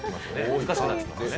難しくなってきますよね。